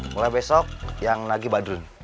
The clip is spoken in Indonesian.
mulai besok yang lagi badrun